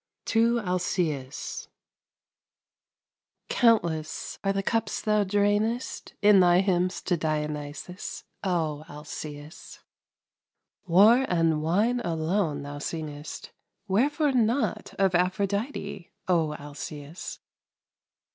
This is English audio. TO ALCÆUS Countless are the cups thou drainest In thy hymns to Dionysos, O Alcæus! War and wine alone thou singest; Whereforenot of Aphrodite, O Alcæus!